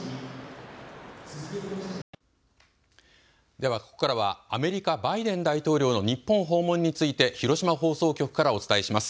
ではここからはアメリカ、バイデン大統領の日本訪問について広島放送局からお伝えします。